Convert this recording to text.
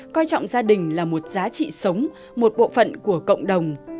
coi trọng gia đình là một giá trị sống một bộ phận của cộng đồng